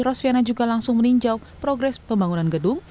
rosviana juga langsung meninjau progres pembangunan gedung